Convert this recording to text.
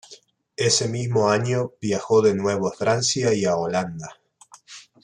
Ese mismo año viajó de nuevo a Francia y a Holanda.